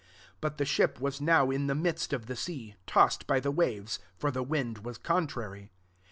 24 But the ship was now in the midst of the sea, tossed by the waves: for the wind was con trary.